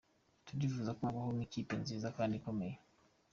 Turifuza ko ibaho nk’ikipe nziza kandi ikomeye.